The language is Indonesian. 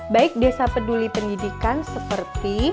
baik desa peduli pendidikan seperti